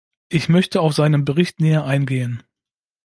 Ich möchte auf seinen Bericht näher eingehen.